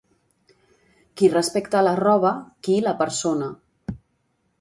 Qui respecta la roba, qui la persona.